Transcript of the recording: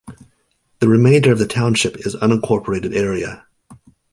The remainder of the township is unincorporated area.